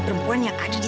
perempuan yang ada di